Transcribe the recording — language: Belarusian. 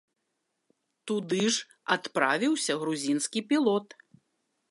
Туды ж адправіўся грузінскі пілот.